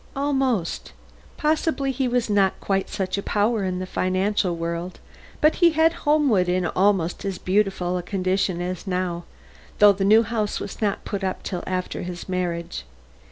"Almost. Possibly he was not quite such a power in the financial world, but he had Homewood in almost as beautiful a condition as now, though the new house was not put up till after his marriage.